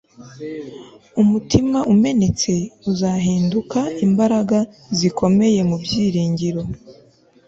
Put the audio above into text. umutima umenetse uzahinduka imbaraga zikomeye mu byiringiro